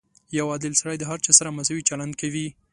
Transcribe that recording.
• یو عادل سړی د هر چا سره مساوي چلند کوي.